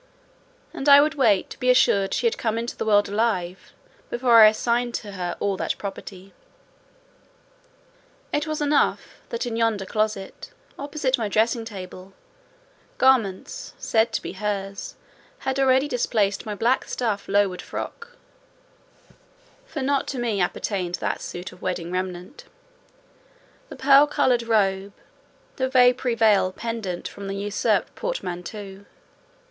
and I would wait to be assured she had come into the world alive before I assigned to her all that property. It was enough that in yonder closet, opposite my dressing table, garments said to be hers had already displaced my black stuff Lowood frock and straw bonnet: for not to me appertained that suit of wedding raiment; the pearl coloured robe, the vapoury veil pendent from the usurped portmanteau.